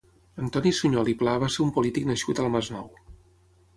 Antoni Suñol i Pla va ser un polític nascut al Masnou.